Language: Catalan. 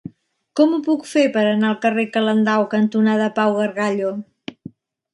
Com ho puc fer per anar al carrer Calendau cantonada Pau Gargallo?